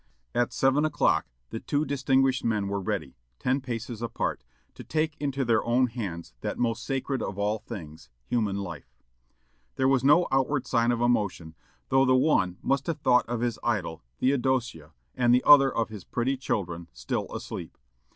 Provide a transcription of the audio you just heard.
At seven o'clock the two distinguished men were ready, ten paces apart, to take into their own hands that most sacred of all things, human life. There was no outward sign of emotion, though the one must have thought of his idol, Theodosia, and the other of his pretty children, still asleep.